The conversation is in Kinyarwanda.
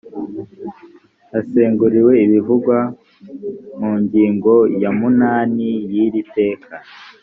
haseguriwe ibivugwa mu ngingo ya munani y’ iri teka